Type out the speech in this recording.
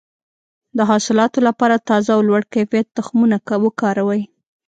د حاصلاتو لپاره تازه او لوړ کیفیت تخمونه وکاروئ.